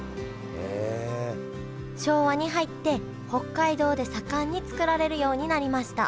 昭和に入って北海道で盛んに作られるようになりました